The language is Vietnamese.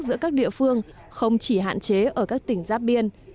giữa các địa phương không chỉ hạn chế ở các tỉnh giáp biên